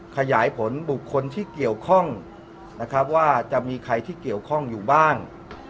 ขยายผลบุคคลที่เกี่ยวข้องนะครับว่าจะมีใครที่เกี่ยวข้องอยู่บ้าง